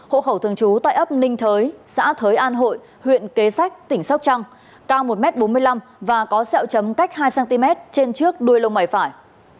hộ khẩu thường trú tại ấp ninh thới xã thới an hội huyện kế xách tp hcm cao một m bốn mươi năm và có xeo chấm cách hai cm trên trước đuôi lông mẩy phải